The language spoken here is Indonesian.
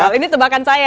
betul ini tebakan saya